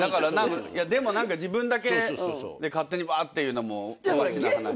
でも何か自分だけで勝手にばーっていうのもおかしな話で。